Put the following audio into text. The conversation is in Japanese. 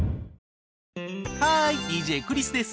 ハーイＤＪクリスです。